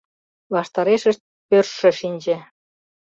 Ваштарешышт пӧрыжшӧ шинче.